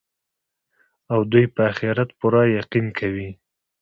او دوى په آخرت پوره يقين كوي